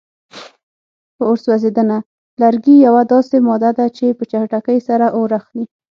په اور سوځېدنه: لرګي یوه داسې ماده ده چې په چټکۍ سره اور اخلي.